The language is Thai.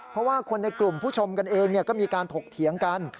เพราะว่าคนในกลุ่มผู้ชมกันเองก็มีการถกเถียงกัน